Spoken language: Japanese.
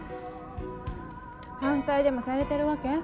反対でもされてるわけ？